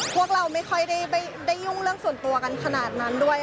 พวกเราไม่ค่อยได้ยุ่งเรื่องส่วนตัวกันขนาดนั้นด้วย